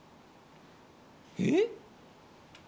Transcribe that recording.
えっ？